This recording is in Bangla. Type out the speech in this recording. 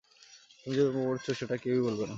তুমি যে প্রেমে পড়েছ সেটা কেউই বলবে না।